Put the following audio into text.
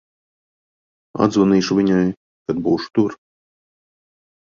Atzvanīšu viņai, kad būšu tur.